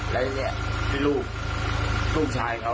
แล้วทีนี้ที่ลูกลูกชายเขา